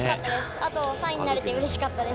あと３位になれてうれしかったです。